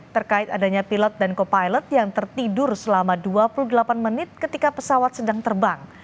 terkait adanya pilot dan co pilot yang tertidur selama dua puluh delapan menit ketika pesawat sedang terbang